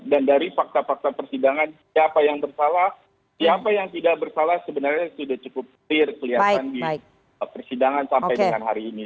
dan dari fakta fakta persidangan siapa yang tersalah siapa yang tidak bersalah sebenarnya sudah cukup clear kelihatan di persidangan sampai dengan hari ini